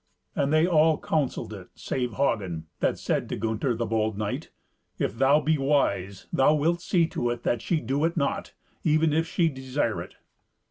And they all counselled it save Hagen, that said to Gunther, the bold knight, "If thou be wise, thou wilt see to it that she do it not, even if she desire it."